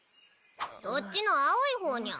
そっちの青い方ニャ。